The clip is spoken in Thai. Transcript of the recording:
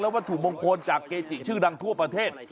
วัตถุมงคลจากเกจิชื่อดังทั่วประเทศ